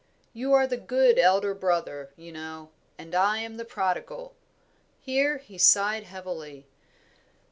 "You are the good elder brother, you know, and I am the prodigal." Here he sighed heavily.